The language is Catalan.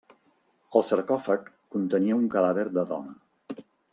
El sarcòfag contenia un cadàver de dona.